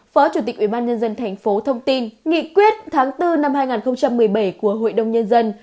phó chủ tịch ủy ban nhân dân tp thông tin nghị quyết tháng bốn năm hai nghìn một mươi bảy của hội đồng nhân dân